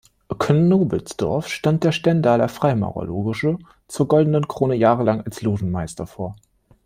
Knobelsdorff stand der Stendaler Freimaurerloge "Zur goldenen Krone" jahrelang als Logenmeister vor.